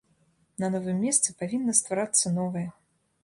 На новым месцы павінна стварацца новае.